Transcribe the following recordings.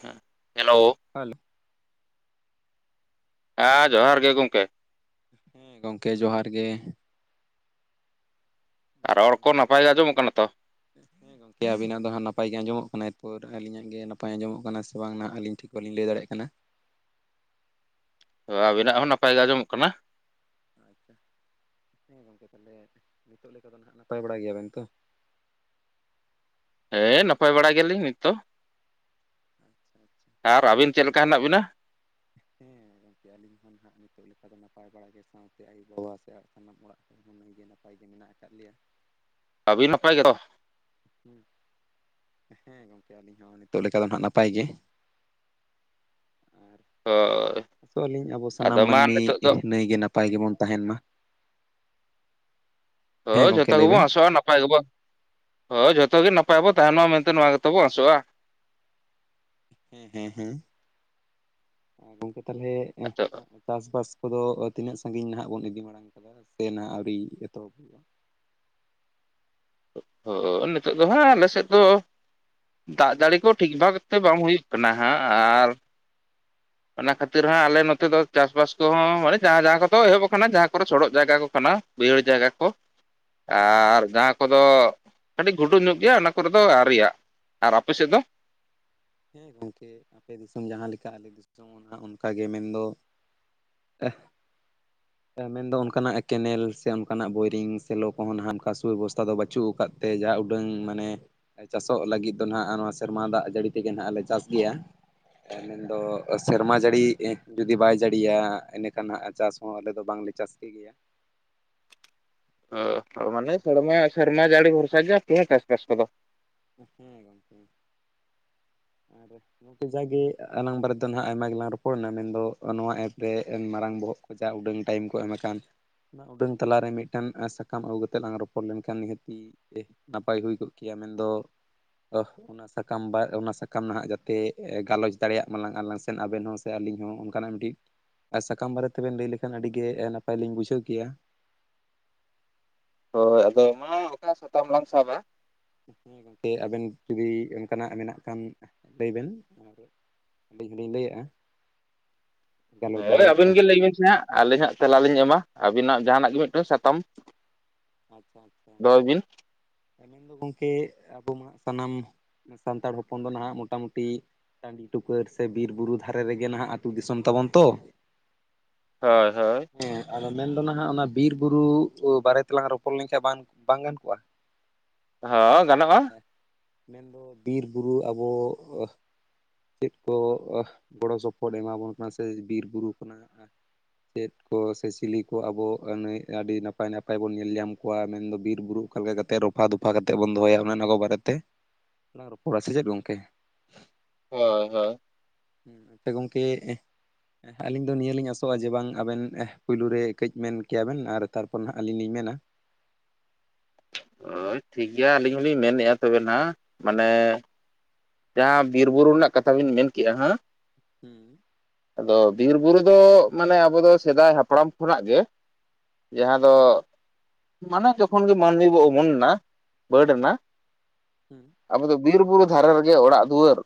ᱦᱮᱸ ᱦᱮᱞᱳ [unintelligible] ᱟ ᱡᱚᱦᱟᱨ ᱜᱮ ᱜᱚᱝᱠᱮ᱾ ᱦᱩᱸ ᱜᱚᱝᱠᱮ ᱡᱚᱦᱟᱨ ᱜᱮ᱾ ᱟᱨ ᱨᱚᱲ ᱠᱚ ᱱᱟᱯᱟᱭ ᱜᱮ ᱟᱸᱡᱚᱢᱚᱜ ᱠᱟᱱᱟ ᱛᱚ? ᱦᱮ ᱜᱚᱢᱠᱮ [unintelligible] ᱠᱮ ᱟᱵᱤᱱᱟᱜ ᱫᱚ ᱦᱟᱸᱜ ᱱᱟᱯᱟᱭ ᱜᱮ ᱟᱸᱡᱚᱢᱚᱜ ᱠᱟᱱᱟ ᱮᱨᱯᱚᱨ ᱟᱹᱞᱤᱧᱟᱜ ᱜᱮ ᱱᱟᱯᱟᱭ ᱟᱸᱡᱚᱢᱚᱜ ᱠᱟᱱᱟ ᱥᱮ ᱵᱟᱝ ᱟᱹᱞᱤᱧ ᱴᱷᱤᱠ ᱵᱟᱹᱞᱤᱧ ᱞᱟᱹᱭ ᱫᱟᱲᱮᱭᱟᱜ ᱠᱟᱱᱟ ᱟᱵᱤᱱᱟᱜ ᱦᱚᱸ ᱱᱟᱯᱟᱭ ᱜᱮ ᱟᱸᱡᱚᱢᱚᱜ ᱠᱟᱱᱟ ᱟᱪᱪᱷᱟ ᱦᱮᱸ ᱜᱚᱝᱠᱮ ᱛᱟᱦᱚᱞᱮ ᱱᱤᱛᱚᱜ ᱞᱮᱠᱟ ᱫᱚ ᱦᱟᱜ ᱱᱟᱦᱟᱜ ᱱᱟᱯᱟᱭ ᱵᱟᱲᱟ ᱜᱮᱭᱟ ᱵᱮᱱ ᱛᱚ ᱦᱮ ᱱᱟᱯᱟᱭ ᱵᱟᱲᱟ ᱜᱮᱭᱟᱞᱤᱧ ᱱᱤᱛ ᱫᱚ᱾ ᱟᱪᱪᱷᱟ ᱟᱪᱪᱷᱟ ᱟᱨ ᱟᱹᱵᱤᱱ ᱪᱮᱫ ᱞᱮᱠᱟ ᱦᱮᱱᱟᱜ ᱵᱤᱱᱟ᱾ ᱦᱮᱸ ᱜᱚᱝᱠᱮ ᱟᱹᱞᱤᱧ ᱦᱚᱸ ᱱᱟᱦᱟᱜ ᱱᱤᱛᱚᱜ ᱞᱮᱠᱟ ᱫᱚ ᱱᱟᱯᱟᱭ ᱵᱟᱲᱟ ᱜᱮ ᱥᱟᱶᱛᱮ ᱟᱭᱳ ᱵᱟᱵᱟ ᱥᱮ ᱥᱟᱱᱟᱢ ᱚᱲᱟᱜ ᱱᱟᱭ ᱜᱮ ᱱᱟᱯᱟᱭ ᱜᱮ ᱢᱮᱱᱟᱜ ᱟᱠᱟᱫ ᱞᱮᱭᱟ᱾ ᱟᱵᱤᱱ ᱱᱟᱯᱟᱭ [unintelligible] ᱦᱩᱸ᱾ ᱦᱮᱸ ᱜᱚᱝᱠᱮ ᱟᱹᱞᱤᱧ ᱦᱚᱸ ᱱᱤᱛᱚᱜ ᱞᱮᱠᱟ ᱫᱚ ᱱᱷᱟᱜ ᱱᱟᱯᱟᱭ ᱜᱮ᱾ ᱟᱨ ᱦᱳᱭ ᱟᱸᱥᱚᱜ ᱟᱹᱞᱤᱧ ᱟᱵᱚ ᱟᱫᱚ ᱥᱟᱱᱟᱢ ᱢᱟ ᱢᱟᱹᱱᱢᱤ ᱱᱤᱛᱚᱜ ᱫᱚ ᱱᱟᱹᱭ ᱜᱮ ᱱᱟᱯᱟᱭ ᱜᱮᱵᱚᱱ ᱛᱟᱦᱮᱱ ᱢᱟ᱾ ᱦᱳ ᱦᱮᱸ ᱜᱚᱝᱠᱮ ᱡᱷᱚᱛᱚ ᱞᱟᱹᱭ ᱜᱮᱵᱚᱱ ᱵᱮᱱ ᱟᱸᱥᱚᱜᱼᱟ ᱱᱟᱯᱟᱭ ᱜᱮᱵᱚ ᱦᱳ ᱡᱷᱚᱛᱚ ᱜᱮ ᱱᱟᱯᱟᱭ ᱵᱚ ᱛᱟᱦᱮᱱ ᱢᱟ ᱢᱮᱱᱛᱮ ᱱᱚᱣᱟ ᱜᱮᱛᱚ ᱵᱚ ᱟᱥᱚᱜᱼᱟ᱾ ᱦᱮᱸ ᱦᱮᱸ ᱦᱮᱸ᱾ ᱜᱚᱝᱠᱮ ᱛᱟᱦᱞᱮ ᱟᱫᱚ [unintelligible] ᱪᱟᱥ ᱵᱟᱥ ᱠᱚᱫᱚ ᱛᱤᱱᱟᱹᱜ ᱥᱟᱺᱜᱤᱧ ᱱᱷᱟᱜ ᱵᱚᱱ ᱤᱫᱤ ᱢᱟᱲᱟᱝ ᱠᱟᱫᱟ ᱥᱮ ᱱᱷᱟᱜ ᱟᱹᱣᱨᱤ ᱮᱛᱚᱦᱚᱵ ᱦᱩᱭᱩᱜᱼᱟ? ᱚᱻ ᱱᱤᱛᱚᱜ ᱫᱚ ᱱᱷᱟᱜ ᱟᱞᱮ ᱥᱮᱫ ᱫᱚ ᱫᱟᱜ ᱡᱟᱹᱲᱤ ᱠᱚ ᱴᱷᱤᱠ ᱵᱷᱟᱜᱽ ᱛᱮ ᱵᱟᱝ ᱦᱩᱭᱩᱜ ᱠᱟᱱᱟ ᱦᱟᱸᱜ ᱟᱨ ᱚᱱᱟ ᱠᱷᱟᱹᱛᱤᱨ ᱦᱟᱸᱜ ᱟᱞᱮ ᱱᱚᱛᱮ ᱫᱚ ᱪᱟᱥᱵᱟᱥ ᱠᱚᱦᱚᱸ ᱢᱟᱱᱮ ᱡᱟᱦᱟᱸ ᱡᱟᱦᱟᱸ ᱠᱚᱫᱚ ᱮᱦᱚᱵ ᱟᱠᱟᱱᱟ ᱡᱟᱦᱟᱸ ᱠᱚᱫᱚ ᱥᱚᱰᱚᱜ ᱡᱟᱭᱜᱟ ᱠᱚ ᱠᱟᱱᱟ᱾ ᱵᱟᱺᱭᱦᱟᱹᱲ ᱡᱟᱭᱜᱟ ᱠᱚ᱾ [inaudible] ᱟᱻᱨ ᱟᱪᱪᱷᱟ ᱡᱟᱦᱟᱸ ᱠᱚᱫᱚ ᱠᱟᱹᱴᱤᱡ ᱜᱷᱩᱰᱩ ᱧᱚᱜ ᱜᱮᱭᱟ, ᱚᱱᱟ ᱠᱚᱨᱮ ᱫᱚ ᱟᱹᱶᱨᱤ ᱭᱟ᱾ ᱟᱨ ᱟᱯᱮ ᱥᱮᱫ ᱫᱚ? ᱦᱮᱸ ᱜᱚᱝᱠᱮ ᱟᱯᱮ ᱫᱤᱥᱚᱢ ᱡᱟᱦᱟᱸ ᱞᱮᱠᱟ ᱟᱞᱮ ᱫᱤᱥᱚᱢ ᱦᱚᱸ ᱱᱷᱟᱜ ᱚᱱᱠᱟᱜᱮ ᱢᱮᱱᱫᱚ᱾ ᱟᱦ ᱢᱮᱱᱫᱚ ᱚᱱᱠᱟᱱᱟᱜ ᱠᱮᱱᱮᱞ ᱥᱮ ᱚᱱᱠᱟᱱᱟᱜ ᱵᱳᱭᱨᱤᱝ ᱥᱮ ᱞᱚ ᱠᱚᱦᱚᱸ ᱱᱷᱟᱜ ᱚᱱᱠᱟ ᱥᱩᱵᱮᱵᱚᱥᱛᱷᱟ ᱫᱚ ᱵᱟᱹᱪᱩᱜ ᱟᱠᱟᱫ ᱛᱮ ᱡᱟ ᱩᱰᱟᱹᱝ ᱢᱟᱱᱮ ᱪᱟᱥᱚᱜ ᱞᱟᱹᱜᱤᱫ ᱫᱚ ᱱᱷᱟᱜ ᱱᱚᱶᱟ ᱥᱮᱨᱢᱟ ᱫᱟᱜ ᱡᱟᱹᱲᱤ ᱛᱮᱜᱮ ᱱᱷᱟᱜ ᱞᱮ ᱪᱟᱥ ᱠᱮᱫ-ᱟ᱾ ᱢᱮᱱᱫᱚ ᱥᱮᱨᱢᱟ ᱡᱟᱹᱲᱤ ᱡᱩᱫᱤ ᱵᱟᱭ ᱡᱟᱹᱲᱤᱭᱟ ᱤᱱᱟᱹᱠᱷᱟᱱ ᱱᱷᱟᱜ ᱪᱟᱥ ᱦᱚᱸ ᱟᱞᱮ ᱫᱚ ᱵᱟᱝᱞᱮ ᱡᱟᱥᱛᱤ ᱜᱮᱭᱟ᱾ ᱟᱹ ᱢᱟᱱᱮ ᱥᱮᱨᱢᱟ ᱥᱮᱨᱢᱟ ᱡᱟᱹᱲᱤ ᱵᱷᱚᱨᱥᱟ ᱜᱮ ᱟᱯᱮᱭᱟᱜ ᱪᱟᱥᱵᱟᱥ ᱠᱚᱫᱚ᱾ ᱦᱩᱸ ᱦᱩᱸ᱾ [inaudible] ᱟᱫᱚ ᱡᱟᱜᱮ ᱟᱞᱟᱝ ᱵᱟᱨᱮ ᱫᱚ ᱱᱷᱟᱜ ᱟᱭᱢᱟ ᱜᱮᱞᱟᱝ ᱨᱚᱯᱚᱲᱮᱱᱟ᱾ ᱢᱮᱱᱫᱚ ᱱᱚᱣᱟ ᱮᱯ ᱨᱮ ᱢᱟᱨᱟᱝ ᱵᱚᱦᱚᱜ ᱡᱟ ᱩᱰᱟᱹᱝ ᱴᱟᱭᱤᱢ ᱠᱚ ᱮᱢ ᱟᱠᱟᱱ᱾ ᱚᱱᱟ ᱩᱰᱟᱹᱝ ᱛᱟᱞᱟᱨᱮ ᱢᱤᱫᱴᱟᱹᱝ ᱥᱟᱠᱟᱢ ᱟᱹᱜᱩ ᱠᱟᱛᱮ ᱞᱟᱝ ᱨᱚᱯᱚᱲ ᱞᱮᱱᱠᱷᱟᱱ ᱱᱤᱦᱟᱹᱛᱤ ᱱᱟᱯᱟᱭ ᱦᱩᱭ ᱠᱚᱜ ᱠᱮᱭᱟ, ᱢᱮᱱᱫᱚ ᱚᱱᱟ ᱥᱟᱠᱟᱢ ᱚᱱᱟ ᱥᱟᱠ [unintelligible] ᱡᱟᱛᱮ ᱜᱟᱞᱚᱪ ᱫᱟᱲᱮᱭᱟᱜ ᱢᱟᱞᱟᱝ ᱟᱞᱟᱝ ᱥᱮ ᱟᱵᱮᱱ ᱦᱚᱸ ᱥᱮ ᱟᱹᱞᱤᱧ ᱦᱚᱸ ᱚᱱᱠᱟᱱᱟᱜ ᱢᱤᱫᱴᱤᱡ᱾ ᱟᱨ ᱥᱟᱠᱟᱢ ᱵᱟᱨᱮ ᱛᱮᱵᱤᱱ ᱞᱟᱹᱭ ᱞᱮᱠᱷᱟᱱ ᱟᱹᱰᱤ ᱱᱟᱯᱟᱭ ᱞᱤᱧ ᱵᱩᱡᱷᱟᱹᱣ ᱠᱮᱭᱟ᱾ ᱦᱳᱭ ᱟᱫᱚ ᱢᱟ ᱚᱠᱟ ᱥᱟᱛᱟᱢ ᱞᱟᱝ ᱥᱟᱵᱟ? ᱦᱮᱸ ᱜᱚᱝᱠᱮ ᱟᱵᱮᱱ ᱡᱩᱫᱤ ᱚᱱᱠᱟᱱᱟᱜ ᱢᱮᱱᱟᱜ ᱠᱷᱟᱱ ᱞᱟᱹᱭ ᱵᱮᱱ ᱚᱱᱟ ᱫᱚ᱾ ᱟᱹᱞᱤᱧ ᱦᱚᱞᱤᱧ ᱞᱟᱹᱭᱮᱫᱼᱟ᱾ ᱦᱳᱭ ᱟᱹᱵᱤᱱ ᱜᱮ ᱞᱟᱹᱭ ᱵᱤᱱ ᱥᱮ ᱦᱟᱸᱜ ᱟᱹᱞᱤᱧ ᱦᱟᱸᱜ ᱛᱮᱞᱟ ᱞᱤᱧ ᱮᱢᱟ᱾ ᱟᱹᱵᱤᱱᱟᱜ ᱡᱟᱦᱟᱱᱟᱜ ᱜᱮ ᱢᱤᱫᱴᱟᱝ ᱥᱟᱛᱟᱢ᱾ ᱟᱪᱪᱷᱟ ᱟᱪᱪᱷᱟ ᱫᱚᱦᱚᱭ ᱵᱤᱱ ᱟᱞᱤᱧ ᱫᱚ ᱜᱚᱢᱠᱮ ᱟᱵᱚ ᱢᱟ ᱥᱟᱱᱟᱢ ᱥᱟᱱᱛᱟᱲ ᱦᱚᱯᱚᱱ ᱫᱚ ᱱᱟᱦᱟᱜ ᱢᱚᱴᱟᱢᱩᱴᱤ ᱴᱟᱺᱰᱤ ᱴᱩᱠᱟᱹᱨ ᱥᱮ ᱵᱤᱨ ᱵᱩᱨᱩ ᱫᱷᱟᱨᱮ ᱨᱮᱜᱮ ᱱᱟᱦᱟᱜ ᱟᱹᱛᱩ ᱫᱤᱥᱚᱢ ᱛᱟᱵᱚᱱ ᱛᱚ᱾ ᱦᱳᱭ ᱦᱳᱭ ᱦᱮᱸ ᱟᱫᱚ ᱢᱮᱱᱫᱚ ᱱᱟᱦᱜ ᱚᱱᱟ ᱵᱤᱨ ᱵᱩᱨᱩ ᱵᱟᱨᱮ ᱛᱮᱞᱟᱝ ᱨᱚᱯᱚᱲ ᱞᱮᱱᱠᱷᱟᱱ ᱵᱟᱝ ᱵᱟᱝ ᱜᱟᱱ ᱠᱚᱜᱼᱟ? [unintelligible] ᱦᱮ ᱜᱟᱱᱚᱜᱼᱟ᱾ ᱢᱮᱱᱫᱚ ᱵᱤᱨ ᱵᱩᱨᱩ ᱟᱵᱚ ᱪᱮᱫ ᱠᱚ ᱜᱚᱲᱚ ᱥᱚᱯᱚᱦᱚᱫ ᱮᱢᱟᱵᱚᱱ ᱠᱟᱱᱟ ᱥᱮ ᱵᱤᱨ ᱵᱩᱨᱩ ᱠᱷᱚᱱᱟᱜ ᱛᱮᱫ ᱠᱚ ᱥᱮ ᱥᱤᱞᱤ ᱠᱚ ᱟᱵᱚ ᱟᱹᱱᱟᱹᱭ ᱟᱹᱰᱤ ᱱᱟᱯᱟᱭ ᱱᱟᱯᱟᱭ ᱵᱚᱱ ᱧᱮᱞᱧᱟᱢ ᱠᱚᱣᱟ᱾ ᱢᱮᱱᱫᱚ ᱵᱤᱨᱵᱩᱨᱩ ᱚᱠᱟ ᱞᱮᱠᱟ ᱠᱟᱛᱮ ᱨᱚᱯ ᱯᱷᱟᱼ ᱫᱚᱯᱷᱟ ᱠᱟᱛᱮᱫ ᱵᱚᱱ ᱫᱚᱦᱚᱭᱟ, ᱚᱱᱮ-ᱚᱱᱟ ᱠᱚ ᱵᱟᱨᱮᱛᱮ ᱞᱟᱝ ᱨᱚᱯᱚᱲᱟ ᱥᱮ ᱪᱮᱫ ᱜᱚᱝᱠᱮ? ᱦᱳᱭ ᱦᱳᱭ᱾ ᱱᱚᱛᱮ ᱜᱚᱝᱠᱮ ᱮᱦ ᱟᱹᱞᱤᱧ ᱫᱚ ᱱᱤᱭᱟᱹ ᱞᱤᱧ ᱟᱥᱚᱜᱼᱟ ᱡᱮ ᱵᱟᱝ ᱟᱵᱮᱱ ᱮᱦ ᱯᱩᱭᱞᱩ ᱨᱮ ᱠᱟᱹᱡ ᱢᱮᱱ ᱠᱮᱭᱟ ᱵᱤᱱ ᱟᱨ ᱛᱟᱨᱯᱚᱨ ᱱᱷᱟᱜ ᱟᱹᱞᱤᱧ ᱞᱤᱧ ᱢᱮᱱᱟ᱾ ᱦᱳᱭ ᱴᱷᱤᱠᱜᱮᱭᱟ ᱟᱹᱞᱤᱧ ᱦᱚᱞᱤᱧ ᱢᱮᱱᱮᱫᱼᱟ ᱛᱚᱵᱮ ᱱᱷᱟᱜ᱾ ᱢᱟᱱᱮ ᱡᱟᱦᱟᱸ ᱵᱤᱨ ᱵᱩᱨᱩ ᱨᱮᱱᱟᱜ ᱠᱟᱛᱷᱟ ᱵᱤᱱ ᱢᱮᱱ ᱠᱮᱫᱮᱜᱼᱟ ᱦᱟᱸᱜ᱾ ᱦᱩᱸ ᱟᱫᱚ ᱵᱤᱨ ᱵᱩᱨᱩ ᱫᱚ ᱢᱟᱱᱮ ᱟᱵᱚ ᱫᱚ ᱥᱮᱫᱟᱭ ᱦᱟᱯᱲᱟᱢ ᱠᱷᱚᱱᱟᱜ ᱜᱮ ᱡᱟᱦᱟᱸ ᱫᱚ ᱦᱮᱸ ᱢᱟᱱᱮ ᱡᱚᱠᱷᱚᱱᱜ ᱢᱟᱹᱱᱢᱤ ᱵᱚ ᱩᱢᱩᱱ ᱱᱟ ᱵᱟᱹᱰ ᱱᱟ ᱦᱮᱸ ᱟᱵᱚ ᱫᱚ ᱵᱤᱨ ᱵᱩᱨᱩ ᱫᱷᱟᱨᱮ ᱨᱮᱜᱮ ᱚᱲᱟᱜ ᱫᱩᱣᱟᱹᱨ,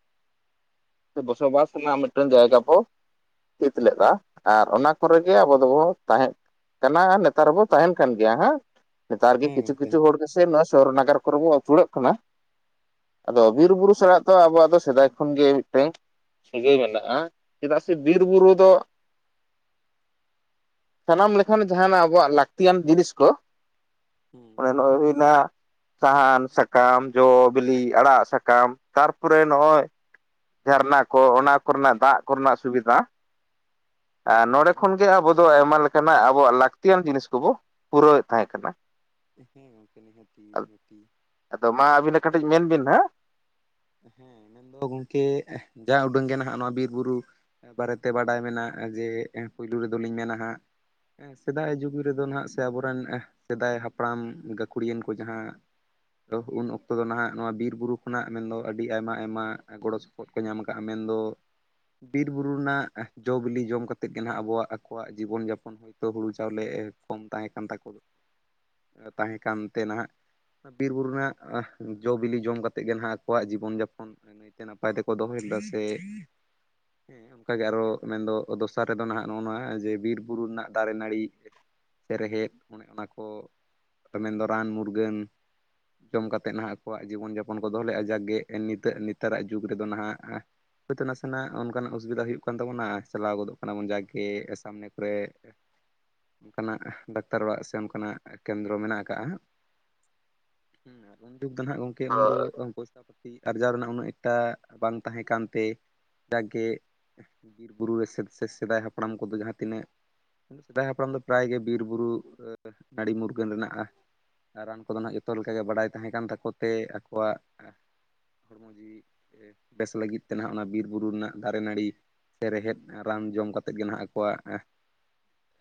ᱥᱮ ᱵᱚᱥᱚᱵᱟᱥ ᱨᱮᱱᱟᱜ ᱢᱤᱫᱴᱟᱱ ᱡᱟᱭᱜᱟ ᱵᱚ ᱤᱛ ᱞᱮᱫᱟ ᱟᱨ ᱚᱱᱟ ᱠᱚᱨᱮ ᱜᱮ ᱟᱵᱚ ᱫᱚᱵᱚ ᱛᱟᱦᱮᱸᱫ ᱠᱟᱱᱟ ᱱᱮᱛᱟᱨ ᱦᱚᱸᱵᱚ ᱛᱟᱦᱮᱱ ᱠᱟᱱ ᱜᱮᱭᱟ ᱦᱮᱸ᱾ ᱱᱮᱛᱟᱨ ᱦᱩᱸ ᱜᱮ ᱦᱮᱸ ᱠᱤᱪᱷᱩ ᱜᱚᱢᱠᱮ ᱠᱤᱪᱷᱩ ᱦᱚᱲ ᱜᱮᱥᱮ ᱱᱚᱣᱟ ᱥᱚᱦᱚᱨ ᱱᱟᱜᱟᱨ ᱠᱚᱨᱮ ᱵᱚᱱ ᱟᱹᱪᱩᱨᱟᱹᱜ ᱠᱟᱱᱟ᱾ ᱟᱫᱚ ᱦᱩᱸ ᱵᱤᱨ ᱵᱩᱨᱩ ᱥᱟᱞᱟᱜ ᱫᱚ ᱟᱵᱚᱣᱟᱜ ᱫᱚ ᱥᱮᱫᱟᱭ ᱠᱷᱚᱱᱜᱮ ᱢᱤᱫᱴᱮᱱ ᱥᱟᱹᱜᱟᱹᱭ ᱢᱮᱱᱟᱜᱼᱟ᱾ ᱪᱮᱫᱟᱜ ᱥᱮ ᱵᱤᱨ ᱵᱩᱨᱩ ᱫᱚ ᱥᱟᱱᱟᱢ ᱞᱮᱠᱟᱱ ᱡᱟᱦᱟᱱᱟᱜ ᱟᱵᱚᱣᱟᱜ ᱞᱟᱹᱠᱛᱤᱭᱟᱱ ᱡᱤᱱᱤᱥ ᱠᱚ ᱦᱩᱸ ᱚᱱᱮ ᱱᱚᱜᱚᱭ ᱦᱩᱭᱱᱟ ᱥᱟᱦᱟᱱ ᱥᱟᱠᱟᱢ ᱡᱚ ᱵᱤᱞᱤ ᱟᱲᱟᱜ ᱥᱟᱠᱟᱢ ᱛᱟᱨᱯᱚᱨᱮ ᱱᱚᱜᱼᱚᱭ ᱡᱷᱟᱨᱱᱟ ᱠᱚ ᱚᱱᱟ ᱠᱚᱨᱮᱱᱟᱜ ᱫᱟᱜ ᱠᱚᱨᱮᱱᱟᱜ ᱥᱩᱵᱤᱫᱷᱟ, ᱟᱨ ᱱᱚᱰᱮ ᱠᱷᱚᱱ ᱦᱩᱸ ᱜᱮ ᱟᱵᱚ ᱫᱚ ᱟᱭᱢᱟ ᱞᱮᱠᱟᱱᱟᱜ ᱟᱵᱚᱣᱟᱜ ᱞᱟᱹᱠᱛᱤᱭᱟᱱ ᱡᱤᱱᱤᱥ ᱠᱚᱵᱚ ᱯᱩᱨᱟᱹᱣᱮᱫ ᱛᱟᱦᱮᱸ ᱠᱟᱱᱟ᱾ ᱦᱮᱸ ᱜᱚᱢᱠᱮ ᱱᱤᱦᱟ. ᱛᱤ ᱱᱤᱦᱟ. ᱛᱤ ᱟᱫᱚ ᱢᱟ ᱟᱹᱵᱤᱱ ᱦᱚᱸ ᱠᱟᱹᱴᱤᱡ ᱢᱮᱱ ᱵᱤᱱ ᱱᱦᱟᱜ ᱦᱮᱸ ᱢᱮᱱᱫᱚ ᱜᱚᱝᱠᱮ ᱡᱟ ᱩᱰᱩᱝ ᱜᱮ ᱱᱟᱦᱟᱜ ᱱᱚᱣᱟ ᱵᱤᱨᱵᱩᱨᱩ ᱵᱟᱨᱮᱛᱮ ᱵᱟᱰᱟᱭ ᱢᱮᱱᱟᱜᱼᱟ ᱡᱮ ᱯᱳᱭᱞᱳ ᱨᱮᱫᱚᱞᱤᱧ ᱢᱮᱱᱟ ᱦᱟᱸᱜ ᱦᱮᱸ ᱥᱮᱫᱟᱭ ᱡᱩᱜᱽ ᱨᱮᱫᱚ ᱦᱟᱸᱜ ᱥᱮ ᱟᱵᱚᱨᱮᱱ ᱥᱮᱫᱟᱭ ᱦᱟᱯᱲᱟᱢ ᱜᱟᱹᱠᱷᱩᱲᱤᱭᱟᱹᱟᱱ ᱠᱚ ᱡᱟᱦᱟᱸ ᱫᱚ ᱩᱱ ᱚᱠᱛᱚ ᱫᱚ ᱱᱟᱦᱟᱜ ᱱᱚᱣᱟ ᱵᱤᱨ ᱵᱩᱨᱩ ᱠᱷᱚᱱᱟᱜ ᱢᱮᱱᱫᱚ ᱟᱹᱰᱤ ᱟᱭᱢᱟ ᱟᱭᱢᱟ ᱜᱚᱲᱚ ᱥᱚᱯᱚᱦᱚᱫ ᱠᱚ ᱧᱟᱢ ᱟᱠᱟᱫᱟᱼᱟ ᱢᱮᱱᱫᱚ ᱵᱤᱨ ᱵᱩᱨᱩ ᱨᱮᱱᱟᱜ ᱡᱚᱼ ᱵᱤᱞᱤ ᱡᱚᱢ ᱠᱟᱛᱮᱫ ᱜᱮ ᱱᱟᱦᱟᱜ ᱟᱵᱚᱣᱟᱜ ᱟᱠᱚᱣᱟᱜ ᱡᱤᱵᱚᱱ ᱡᱟᱯᱚᱱ ᱦᱚᱸ ᱦᱳᱭᱛᱳ ᱦᱩᱲᱩ ᱪᱟᱣᱞᱮ ᱠᱚᱢ ᱛᱟᱦᱮᱸ ᱠᱟᱱ ᱛᱟᱠᱚ ᱫᱚ ᱛᱟᱦᱮᱸ ᱠᱟᱱᱛᱮ ᱱᱟᱦᱟᱜ ᱵᱤᱨ ᱵᱩᱨᱩ ᱨᱮᱱᱟᱜ ᱡᱚᱼᱵᱤᱞᱤ ᱡᱚᱢ ᱠᱟᱛᱮᱫ ᱜᱮ ᱱᱟᱦᱟᱜ ᱟᱠᱚᱣᱟᱜ ᱡᱤᱵᱚᱱ ᱡᱟᱯᱚᱱ ᱱᱟᱹᱭᱛᱮ ᱱᱟᱯᱟᱭ ᱛᱮᱠᱚ ᱫᱚᱦᱚᱭᱮᱫᱟ ᱥᱮ ᱦᱮᱸ ᱚᱱᱠᱟᱜᱮ ᱟᱨᱚ ᱢᱮᱱᱫᱚ ᱫᱚᱥᱟᱨ ᱨᱮᱫᱚ ᱱᱟᱦᱟᱜ ᱱᱚᱜᱼᱚ ᱱᱚᱣᱟ ᱡᱮ ᱵᱤᱨᱼᱵᱩᱨᱩ ᱨᱮᱱᱟᱜ ᱫᱟᱨᱮ ᱱᱟᱹᱲᱤ ᱥᱮ ᱨᱮᱦᱮᱫ ᱚᱱᱮ ᱚᱱᱟᱠᱚ ᱢᱮᱱᱫᱚ ᱨᱟᱱ ᱢᱩᱨᱜᱟᱹᱱ ᱡᱚᱢ ᱠᱟᱛᱮᱫ ᱱᱟᱦᱟᱜ ᱟᱠᱚᱣᱟᱜ ᱡᱤᱵᱚᱱ ᱡᱟᱯᱚᱱ ᱠᱚ ᱫᱚ ᱞᱮ ᱟᱡᱟᱜᱽ ᱜᱮ ᱱᱤᱛ ᱱᱮᱛᱟᱨᱟᱜ ᱡᱩᱜᱽ ᱨᱮᱫᱚ ᱱᱦᱟᱜ ᱦᱳᱭᱛᱚ ᱱᱟᱥᱮᱱᱟᱜ ᱚᱱᱠᱟᱱᱟᱜ ᱚᱥᱵᱤᱫᱟ ᱦᱩᱭᱩᱜ ᱠᱟᱱ ᱛᱟᱵᱚᱱᱟ ᱪᱟᱞᱟᱣ ᱜᱚᱫᱚᱜ ᱠᱟᱱᱟᱵᱚᱱ ᱡᱟᱜᱮ ᱥᱟᱢᱱᱮ ᱠᱚᱨᱮ ᱦᱮᱜ [unintelligible] ᱚᱱᱠᱟᱱᱟᱜ ᱰᱟᱠᱛᱟᱨ ᱚᱲᱟᱜ ᱥᱮᱱ ᱠᱷᱚᱱᱟᱜ ᱠᱮᱱᱫᱨᱚ ᱢᱮᱱᱟᱜ ᱟᱠᱟᱜᱼᱟ᱾ ᱦᱩᱸ ᱟᱨ ᱩᱱ ᱫᱤᱱ ᱫᱚ ᱱᱦᱟᱜ ᱜᱚᱢᱠᱮ ᱩᱱ ᱫᱚ ᱦᱳᱭ ᱪᱟ ᱯᱟᱹᱛᱤ ᱟᱨᱡᱟᱣ ᱨᱮᱱᱟᱜ ᱩᱱᱟᱹᱜ ᱮᱠᱴᱟ ᱵᱟᱝ ᱛᱟᱦᱮᱸ ᱠᱟᱱᱛᱮ, ᱡᱟᱜᱮ ᱵᱤᱨ ᱵᱩᱨᱩ ᱨᱮ ᱥᱮ-ᱥᱮᱫᱟᱭ ᱦᱟᱯᱲᱟᱢ ᱠᱚᱫᱚ ᱡᱟᱦᱟᱸ ᱛᱤᱱᱟᱹᱜ ᱢᱮᱱ ᱫᱚ ᱥᱮᱫᱟᱭ ᱦᱟᱯᱲᱟᱢ ᱫᱚ ᱯᱨᱟᱭ ᱜᱮ ᱵᱤᱨᱵᱩᱨᱩ ᱱᱟᱹᱲᱤ ᱢᱩᱨᱜᱟᱹᱱ ᱨᱮᱱᱟᱜ-ᱟ ᱨᱟᱱ ᱠᱚᱫᱚ ᱱᱦᱟᱜ ᱡᱚᱛᱚ ᱞᱮᱠᱟᱜᱮ ᱵᱟᱰᱟᱭ ᱛᱟᱦᱮᱸ ᱠᱟᱱ ᱛᱟᱠᱚ ᱛᱮ ᱟᱠᱚᱣᱟᱜ ᱦᱚᱲᱢᱚ ᱡᱤᱣᱤ ᱮ ᱵᱮᱥ ᱞᱟᱹᱜᱤᱫ ᱛᱮ ᱱᱟᱦᱟᱜ ᱚᱱᱟ ᱵᱤᱨ ᱵᱩᱨᱩ ᱨᱮᱱᱟᱜ ᱫᱟᱨᱮ ᱱᱟᱹᱲᱤ ᱥᱮ ᱨᱮᱦᱮᱫ ᱨᱟᱱ ᱡᱚᱢ ᱠᱟᱛᱮᱫ ᱜᱮ ᱱᱟᱦᱜ ᱟᱠᱚᱣᱟᱜ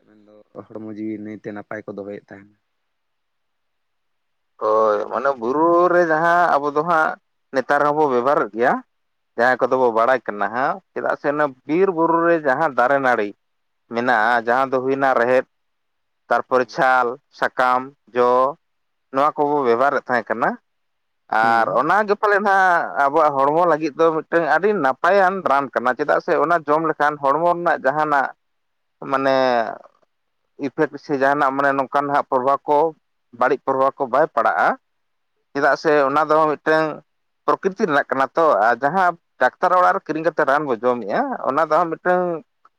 ᱢᱮᱱᱫᱚ ᱦᱚᱲᱢᱚ ᱡᱤᱣᱤ ᱱᱟᱹᱭᱛᱮ ᱱᱟᱯᱟᱭ ᱛᱮ ᱠᱚ ᱫᱚᱦᱚᱭᱮᱫ ᱛᱟᱦᱮᱱᱟ ᱦᱳᱭ ᱦᱮᱸ ᱢᱟᱱᱮ ᱵᱩᱨᱩ ᱨᱮ ᱡᱟᱦᱟᱸ ᱟᱵᱚ ᱫᱚ ᱦᱟᱸᱜ ᱱᱮᱛᱟᱨ ᱦᱚᱸᱵᱚ ᱵᱮᱵᱚᱦᱟᱨᱮᱫ ᱜᱮᱭᱟ ᱡᱟᱦᱟᱸᱭ ᱠᱚᱫᱚ ᱵᱚ ᱵᱟᱲᱟᱭ ᱠᱟᱱᱟ ᱦᱟᱸᱜ ᱪᱮᱫᱟᱜ ᱥᱮ ᱚᱱᱟ ᱵᱤᱨ ᱵᱩᱨᱩ ᱨᱮ ᱡᱟᱦᱟᱸ ᱫᱟᱨᱮ ᱱᱟᱹᱲᱤ ᱢᱮᱱᱟᱜᱼᱟ ᱡᱟᱦᱟᱸ ᱫᱚ ᱦᱩᱭᱮᱱᱟ ᱨᱮᱦᱮᱫ ᱛᱟᱨᱯᱚᱨᱮ ᱦᱮᱸ ᱪᱷᱟᱞ ᱥᱟᱠᱟᱢ ᱡᱚ ᱱᱚᱶᱟ ᱠᱚᱵᱚ ᱵᱮᱵᱚᱦᱟᱨᱮᱫ ᱛᱟᱦᱮᱸ ᱠᱟᱱᱟ ᱟᱨ ᱦᱮᱸ ᱚᱱᱟᱜᱮ ᱯᱟᱞᱮᱫ ᱱᱟᱦᱜ ᱟᱵᱚᱣᱟᱜ ᱦᱚᱲᱢᱚ ᱞᱟᱹᱜᱤᱫ ᱫᱚ ᱢᱤᱫᱴᱟᱝ ᱟᱹᱰᱤ ᱱᱟᱯᱟᱭᱟᱱ ᱨᱟᱱ ᱠᱟᱱᱟ ᱪᱮᱫᱟᱜ ᱥᱮ ᱚᱱᱟ ᱡᱚᱢ ᱞᱮᱠᱷ ᱠᱷᱟᱱ ᱦᱚᱲᱢᱚ ᱨᱮᱱᱟᱜ ᱡᱟᱦᱟᱱᱟᱜ ᱢᱟᱱᱮ ᱤᱯᱷᱮ ᱠᱟᱹᱥᱟᱹ [unintelligible] ᱡᱟᱦᱟᱱᱟᱜ ᱢᱟᱱᱮ ᱱᱚᱝᱠᱟ ᱦᱟᱸᱜ ᱯᱨᱚᱵᱷᱟᱵ ᱠᱚ ᱵᱟᱹᱲᱤᱡ ᱯᱨᱚᱵᱷᱟᱵ ᱠᱚ ᱵᱟᱭ ᱯᱟᱲᱟᱜᱼᱟ᱾ ᱪᱮᱫᱟᱜ ᱥᱮ ᱚᱱᱟ ᱫᱚ ᱢᱤᱫᱴᱝ ᱯᱨᱚᱠᱨᱤᱛᱤ ᱨᱮᱱᱟᱜ ᱠᱟᱱᱟ ᱛᱚ ᱟᱨ ᱡᱟᱦᱟᱸ ᱰᱟᱠᱛᱟᱨ ᱚᱲᱟᱜ ᱨᱮ ᱠᱤᱨᱤᱧ ᱠᱟᱛᱮᱫ ᱨᱟᱱ ᱵᱚᱱ ᱡᱚᱢᱮᱫᱼᱟ, ᱚᱱᱟ ᱫᱚ ᱢᱤᱫᱴᱟᱝ